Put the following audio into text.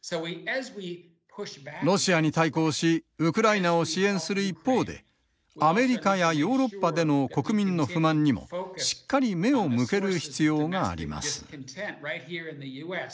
ロシアに対抗しウクライナを支援する一方でアメリカやヨーロッパでの国民の不満にもしっかり目を向ける必要があります。